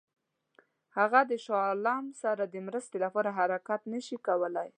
هغه د شاه عالم سره د مرستې لپاره حرکت نه شي کولای.